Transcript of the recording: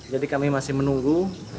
jadi kami masih menunggu